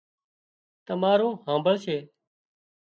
تمارون هانمڀۯشي